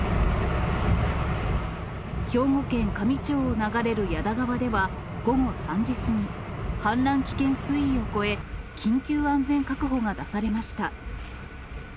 兵庫県香美町を流れる矢田川では、午後３時過ぎ、氾濫危険水位を超え、緊急安全確保が出されました。